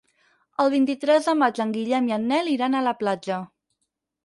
El vint-i-tres de maig en Guillem i en Nel iran a la platja.